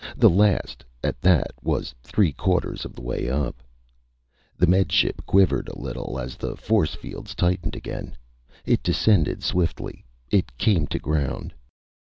The last, at that, was three quarters of the way up. The Med Ship quivered a little as the force fields tightened again. It descended swiftly. It came to ground.